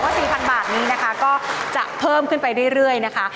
ต้องบอกว่า๔๐๐๐บาทนี้นะคะก็จะเพิ่มขึ้นไปเรื่อยนะคะ